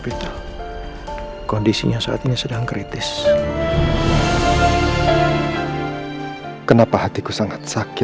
aku akan berusaha untuk memperbaiki rumah tangga aku